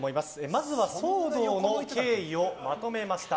まずは騒動の経緯をまとめました。